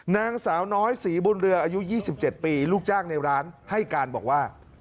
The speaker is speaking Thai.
นางสาวน้อยศรีบุญเรืออายุ๒๗ปีลูกจ้างในร้านให้การบอกว่า